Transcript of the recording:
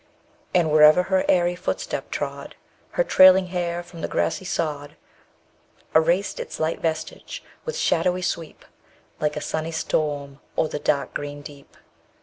And wherever her aery footstep trod, _25 Her trailing hair from the grassy sod Erased its light vestige, with shadowy sweep, Like a sunny storm o'er the dark green deep.